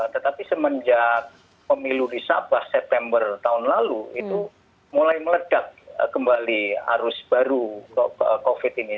tetapi semenjak pemilu di sabah september tahun lalu itu mulai meledak kembali arus baru covid ini